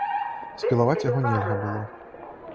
Спілаваць яго нельга было.